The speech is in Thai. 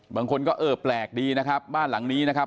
บางคนก็เออแปลกดีนะครับบ้านหลังนี้นะครับ